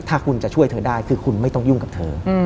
ถ้าคุณจะช่วยเธอได้คือคุณไม่ต้องยุ่งกับเธอ